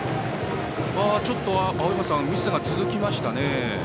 ちょっとミスが続きましたね。